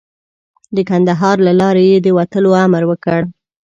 د کندهار له لارې یې د وتلو امر وکړ.